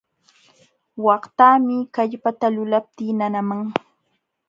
Waqtaami kallpata lulaptii nanaman.